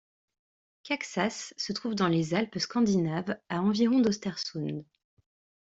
Kaxås se trouve dans les Alpes scandinaves, à environ d'Östersund.